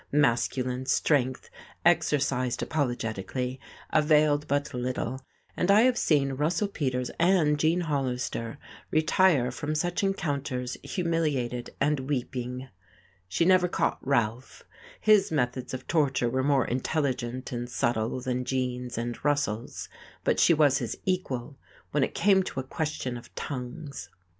Masculine strength, exercised apologetically, availed but little, and I have seen Russell Peters and Gene Hollister retire from such encounters humiliated and weeping. She never caught Ralph; his methods of torture were more intelligent and subtle than Gene's and Russell's, but she was his equal when it came to a question of tongues.